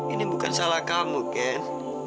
ini bukan salah kamu kan